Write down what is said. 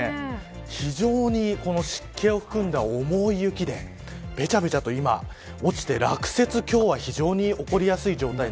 非常に湿気を含んだ重い雪でべちゃべちゃと今落ちて、落雪が非常に起こりやすい状況です。